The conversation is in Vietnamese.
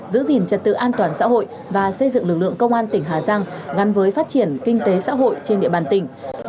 giữ gìn trật tự an toàn xã hội và xây dựng lực lượng công an tỉnh hà giang ngăn với phát triển kinh tế xã hội trên địa bàn tỉnh